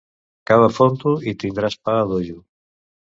Cava fondo i tindràs pa a dojo.